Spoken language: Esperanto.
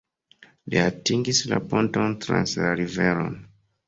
Li atingis la ponton trans la riveron.